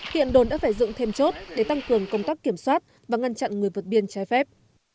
hiện đồn đã phải dựng thêm chốt để tăng cường công tác kiểm soát và ngăn chặn người vượt biên trái phép